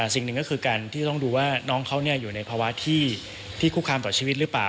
สิ่งหนึ่งก็คือการที่ต้องดูว่าน้องเขาอยู่ในภาวะที่คุกคามต่อชีวิตหรือเปล่า